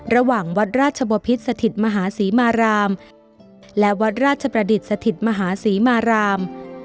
ระหว่างวัดราชบพิษสถิตมหาศรีมารามและวัดราชประดิษฐ์สถิตมหาศรีมาราม